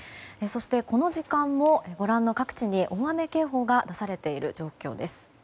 この時間もご覧の各地に大雨警報が出されている状況です。